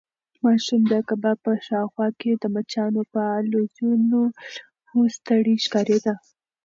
ماشوم د کباب په شاوخوا کې د مچانو په الوزولو ستړی ښکارېده.